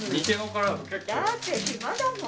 だってひまだもん。